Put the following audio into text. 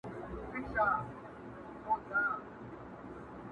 پلار یې وکړه ورته ډېر نصیحتونه,